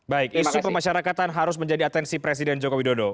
baik isu pemasyarakatan harus menjadi atensi presiden joko widodo